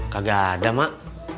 kagak ada mak